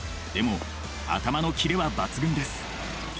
でも頭のキレは抜群です。